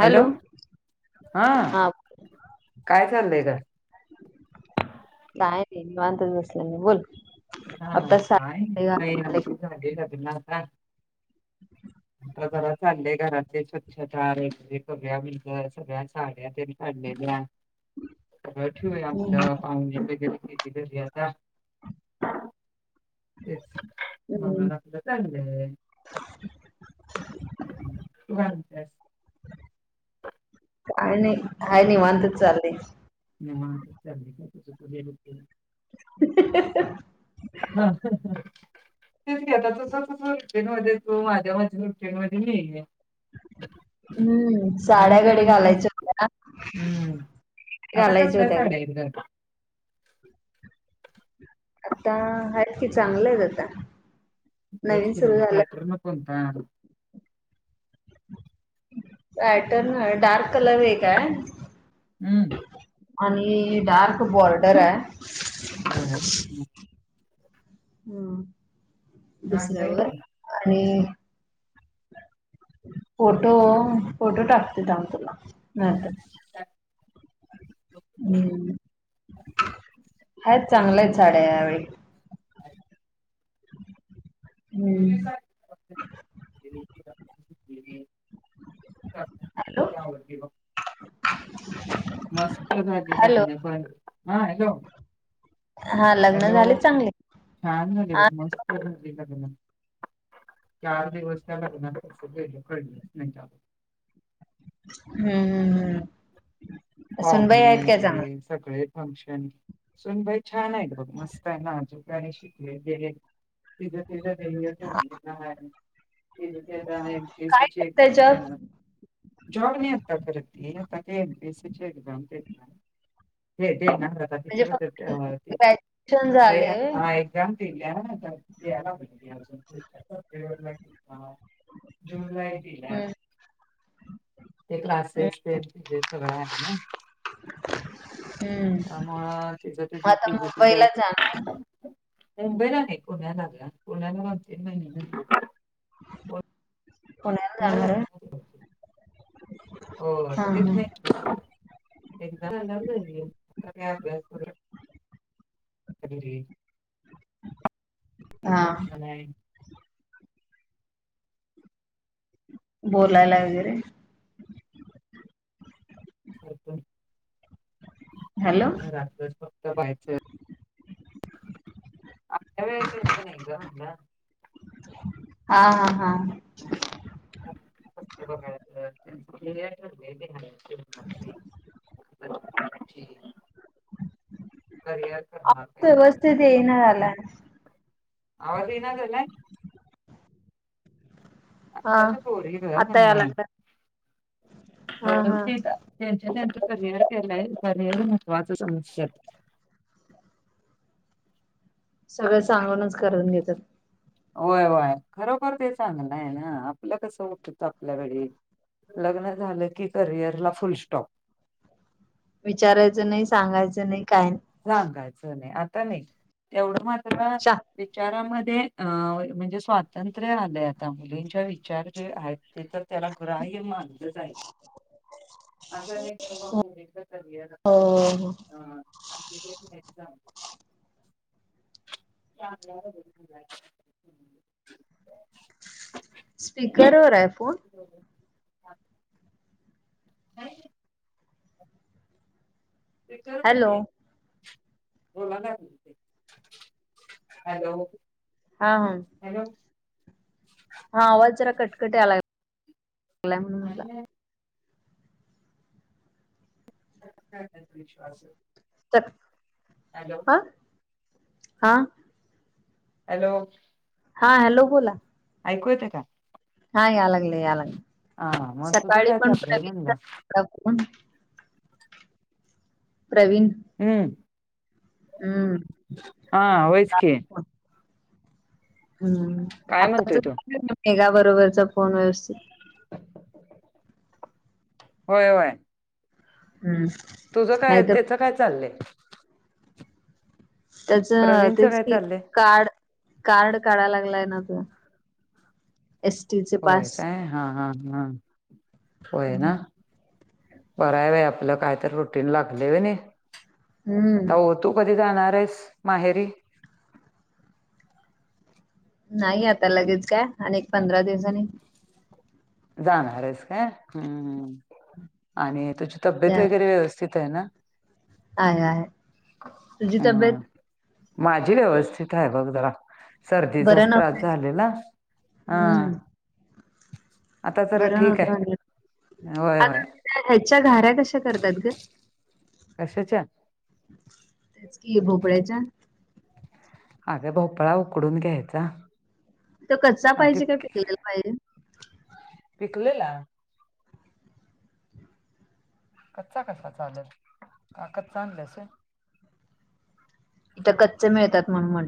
Hello? हा काय चाललंय ग काय ते निवांत बसले बोल. हा आताच साडे कायजला आले का [unintelligible] आता जरा चाललेय घरातले स्वच्छता, [unintelligible] करया म्हणज सगळ्या साड्या काढलेल्या ठेव हम्म आपलं पाहुण्या री केली घरी आता तेच हम्म, म्हणून आपलं चाललं आहे. म्हणत्यात काय नाही, काय निवांतच चाललेय. मिक [unintelligible] [inaudible] हा हम हम [unintelligible] तेच घ आता त ट्रेन मध्ये तू माझ्या माझ ट्रेन मध्ये मी ये हम्म साड्या आणि काय घडी म्हणते? घालायच्या होत्या हम्म आता घालायच्या कसल्या होत्या ग. साड्या इकडं आता आहेत कि चांगलं आहे आता तेच नवीन कि सुरू मग झालं पॅटर्न कोणता? पॅटर्न डार्क कलर आहे काय? हम्म. आणि डार्क बॉर्डर आहे. हा हा. हम, चांगलंय दुसऱ्यावर की. आणि फोटो फोटो टाकते थांब तुला नाही तर हम् हायच चांगलंय साड्या यावेळी हा [unintelligible] हम्म तुम्ही [unintelligible] हॅलो त्यावरती आहे बघ [inaudible] मस्त झाली हॅलो [unintelligible] हा हॅलो? हा लग्न हॅलो झाले चांगली? छान झाली ल मस्त झाली लग्न चार दिवस त्या लग्न. [unintelligible] भेकळ नाही का? हम्म हम्म हम्म. पावघे सुनबाई आहेत काय वगैरे चांगल्या सगळे फंशन सुन बाई छान आहेत बघ मस्त आहे नाज गणी शिकले. सीधे सीधे देे तर घ एम पी एस काय सी ज ची त्याच्या एक्झ म्हणजे जॉबनी आता करत आता M P S C. [unintelligible] Check bounce दे [unintelligible] फक्त ग्रॅज्युएशन त्याची झालंय [inaudible] जाते ल यायला म्हहि अजून पु [unintelligible] जूनला दिल्या हम्म ते क्लासेस ते हम्म तजे सगळं आहे. ना [inaudible] हम्म त्यामुळं तिचं तज मग आता तिज मुंबईला तिच्या जाणार मुंबईला नाही पुण्या लागला पुण्याला दोन तीन महिने. पुण्याला जाणार आहे? हो हा लगेच हा नाही एक्साम झाली की जाईन. ह ह ती हा कशाला आहे. बोलायला वगैरे. हॅलो घरातच फक्त वयच आपल्या वेळेसारखं नाही जाऊ ना. हा हा हा. फक्त बघायचं करिअर देणार आहे. [unintelligible] करिअर अ करणार पहिला. व्यवस्थित ये मग नाही झाला ना? आवाज येन झाला. हा आताच्या पोरीग आता म्हंटल याय लागलाय हा हा ववस्थीत त्यांच्या त्यांच करिअर केलाय करिअर महत्वाचं समजतात. सगळं सांगूनच करून घेतात. होय होय खरोखर ते चांगलं आहे ना आपलं कस उठत आपल्या वेळी. लग्न झालं की करिअर ला फुल स्टॉप. विचारायचं नाही सांगायचं नाही काय. सांगायचं नाही आता नाही तेवढं मात्र. शा विचारामध्ये अ म्हणजे स्वातंत्र्य आलंय आता मुलींच्या विचार जे आहेत ते तर. त्याला ग्राह्य मानलं जाईल. असा अनेक प्रभाम त. हो हो. ह एक्झाम. [inaudible] स्पीकरवर आहे फोन? नाही. स्पीकर वर हॅलो नाही. हो हॅलो. हा हा. हॅलो. हा आवाज जरा कटकट यायला लागलाय म्हणून म्हटला. काय विश्वास आहे. त. हॅलो. ह हा. हॅलो. हा हॅलो बोला. ऐकू येत का हा या लागले या हा लागले मग तुझं सकाळी काय पण चाललंय म्हणलं प्रवीण हम् हम्म हा व्हयचकी. हम्म काय आताच म्हणतोय तू मेगा बरोबरचा फोन व्यवस्थित होय होय. हम्म तुझं काय नाहीतर त्याचं काय चाललंय त्याच प्रवीणचं तेच काय कि चाललंय कार्ड कार्ड काढाय लागलाय ना तर होय पास काय हा हा हा होय ना बरं आहे बाई आपलं कायत रुटीन लागले आहे नाही हम्म तर हो तू कधी जाणार आहेस माहेरी नाही आता लगेच काय अनेक पंधरा दिवसाांनी जाणारच का आणि तुझी तब्येत त्या वगैरे व्यवस्थित शीत आहे ना आहे आहे. तुझी हम तब्येत माझी व्यवस्थित आहे बघ जरा बरं सर्दीचाच त्रास नव्हती झाले ना ह हम्म आता तर बरं ठीक नव्हतं म्हटलं. आहे होय आता होय ह्याच्या घाऱ्या कशा करतात ग कशाच्या तेच कि आहे भोपळ्याच्या हाग भोपळा उकडून घ्यायचा तर कच्चा आणि पाहिजे ते काय पिकलेला पाहिजे पिकलेला कच्चा कसा चालेल काकच आणलं अस इथं कच्च मिळतात म्हणून म्ह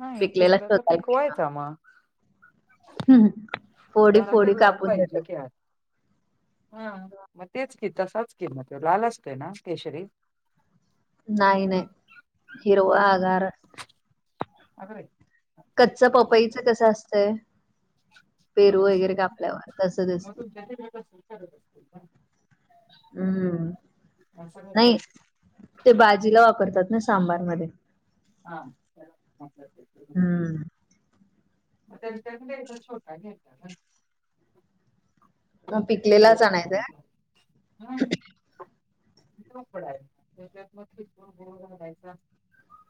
नाही पीक वलं गेलो. पीकवायच आम हम्म. फोडी जरा फोडी तर लाान कापून पाहिजे देतात. कत हा म तेच कि त साचकीि म लाल असते ना केशरी नाही नाही हिरवा मग आगार अग आमच्या कच्च इथला पपाईच केशरी कसं असतय पेरू वगैरे कापल्यावर तस दिसत जत जला स्वीकारत असतील हम्म ना नाही सगळीकडे ते बाजीला वापरतात ना सांबार म हां हम्म. मग त्यांच्याकडे छोटा घेेतात मग पिकलेलाचयच हपडा आहे त्याच्यात मग खिच गो घलायचा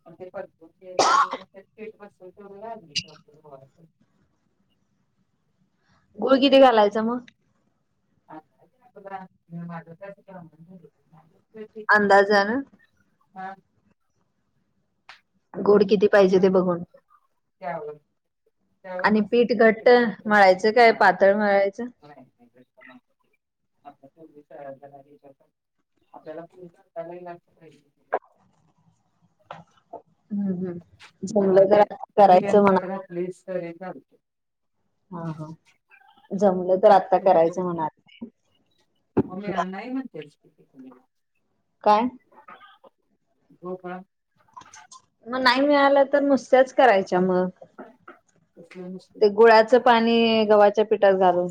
अस ते परत पठ बसून ठू लागली पीठ. गुळ किती घालायचां मग अ अंदाजान गुड किती पाहिजे ते बघून क बल आणि पीठ घट्ट मळायचं काय हा पातळ मळायचं नाही [inaudible] आपल्याला पसला लागत पाहिजे हम्म हम्म. तेव्हा जमलं तर ते आता पुरी करायचं म्हणा. अंतर्गातले स्तर हे ल हा हा जमलं तर आता करायचं म्हणा नाही आ म नाही म्हणते स्थिती तु काय हो का मग नाही मिळालं तर नुसत्याच करायच्या मग कसल्या नस ते गुळाचं पाणी गव्हाच्या पिठात घालून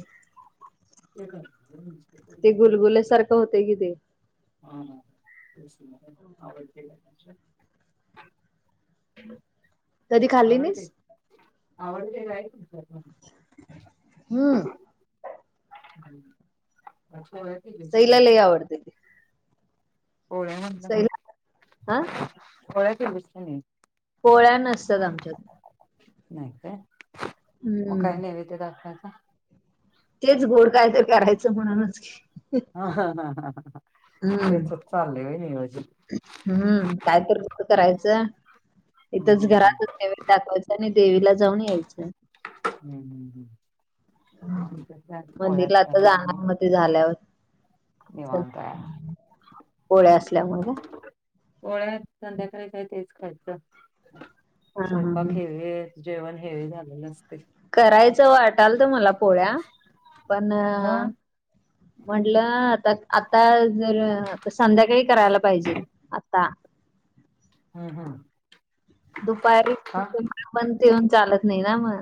एकका ते गुलगुलेसारखं होते कि ते हा तेच आवडते कधी खाल्ली नाहीस? आवडतंय काय तुमच्यात हम्म ती सईला लई बस आवडते पोळ्या म्हणल सईला हा पोळ्या केलीस की नाही पोळ्या नसतात आमच्यात नाही का मग हम्म काय नैवद्य दाखवायचं तेच गोड काय तर करायचं म्हणूनच की ह ह ह ह हम्म तेच च चालय होय चाले नियोजन हम्म काय तर करायचं हम्म, इथंच हम्म, हम्म, घरातच दाखवायचं आणि देवीला जाऊन यायचंय हम्म हम् हम्म हम्म. मी पण आज पोळ्या मंदिरला आता करणार नाही जाणार मग ते झाल्यावर निवांता आहे पोळ्या असल्यामुळे काय पोळ्या संध्याकाळ च काय तेच खायचं हा हा हा. स्वयंपाकेवे जेवण हेवी झाले नसते करायचं वाटाल तर मला पोळ्या पण मग हम्म, म्हटलं आता आता जर संध्याकाळी करायला पाहिजेत आता हम् हम दुपारी पण ते येऊन चालत नाही ना मग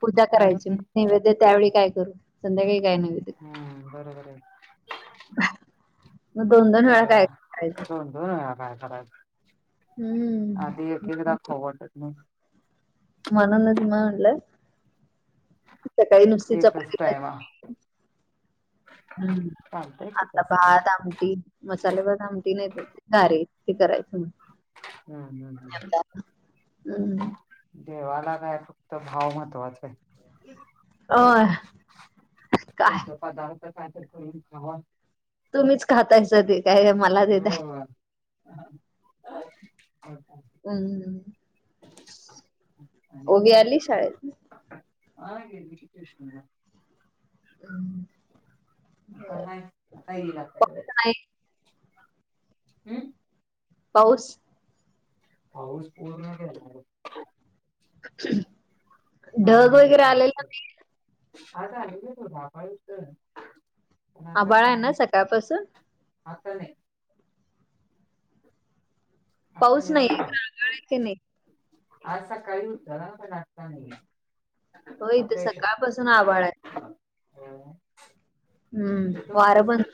पूजा होत करायची मग नाही नैवेद्य त्यावेळी काय करू संध्याकाळी काय नैवेद्य ह् बरोबर आहे [inaudible] दोन अ वेळा काय करायचं दोन दोनयरा हम्म आधी त वाटत नाही म्हणूनच मी म्हंटल सकाळी नुसतीच एकच चपाती करून टाइमा घायच हम्म चालतंय की आता तसं पण भात आमटी मसाले भात आमटी नाही गार करायचं मग हम्म हम्म हम्म. हम्म देवाला काय फक्त भाव महत्त्वाचा आहे अ काय तुमचा पदार्थ काय तर करून खावा तुम्हीच खातायच ते काय मला देतय हो हम् [unintelligible] हम्म. आता हय आता येला पाऊस नाही हम्म पाऊस? पाऊस पूर्ण गेला बघ ढग वगैरे आलेल नाही? आता ल तू राबाय तर पण आता आभाळ आहे काय ना नाही सकाळपासून हता नाही आत्ता पाऊस निवांत नाहीये गारगळ आहे की नाही आज सकाळी होत पण आता नाहीये हो इथं सकाळपासून आभाळ आहे हो हम्म वार बंद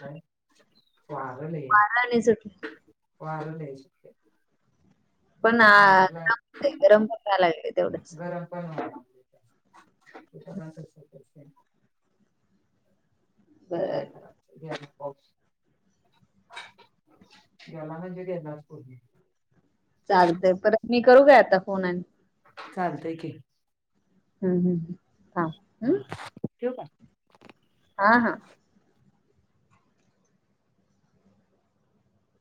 वार लय आणि सुटलं आहे वार पण गरम होयला लागल तेवढंच गरम पण होयला लागला त काय बर करायचं गेला पाऊस गेला म्हणजे गेला पाऊस चालतंय परत मी करू का आता फोन आणि? चालतंय की हम्म हम हा ठेवू का? हा हा